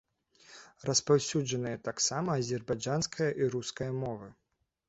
Распаўсюджаныя таксама азербайджанская і руская мовы.